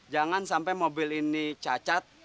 jangan sampai mobil ini cacat